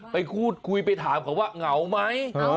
ไปคุยไปถามเกาไหม